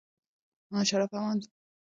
شفاف عمل د اعتماد رامنځته کولو وسیله ده.